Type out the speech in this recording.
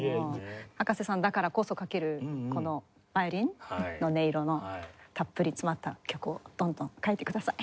葉加瀬さんだからこそ書けるヴァイオリンの音色のたっぷり詰まった曲をどんどん書いてください。